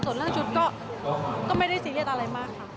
ส่วนเรื่องชุดก็ไม่ได้ซีเรียสอะไรมากค่ะ